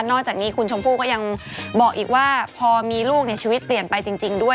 อกจากนี้คุณชมพู่ก็ยังบอกอีกว่าพอมีลูกชีวิตเปลี่ยนไปจริงด้วย